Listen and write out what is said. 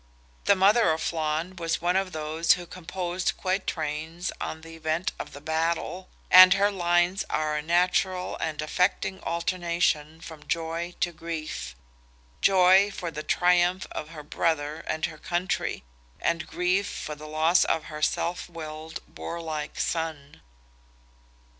The mother of Flan was one of those who composed quatrains on the event of the battle, and her lines are a natural and affecting alternation from joy to grief—joy for the triumph of her brother and her country, and grief for the loss of her self willed, warlike son.